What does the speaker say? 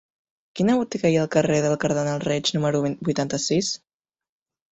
Quina botiga hi ha al carrer del Cardenal Reig número vuitanta-sis?